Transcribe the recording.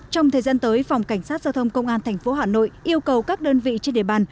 trong thời gian tới phòng cảnh sát giao thông công an tp hà nội yêu cầu các đơn vị trên địa bàn